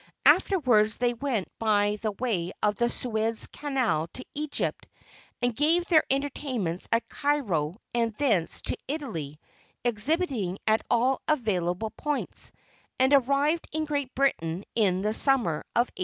Afterwards they went by the way of the Suez Canal to Egypt, and gave their entertainments at Cairo; and thence to Italy, exhibiting at all available points, and arrived in Great Britain in the summer of 1871.